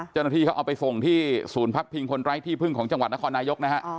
เจ้าหน้าที่เขาเอาไปส่งที่ศูนย์พักพิงคนไร้ที่พึ่งของจังหวัดนครนายกนะฮะ